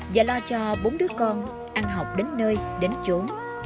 và lo cho bốn đứa con ăn học đến nơi đến trốn